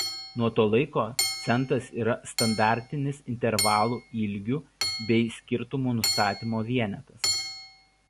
Nuo to laiko centas yra standartinis intervalų ilgių bei skirtumų nustatymo vienetas.